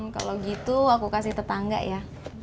kalau gitu aku kasih tetangga ya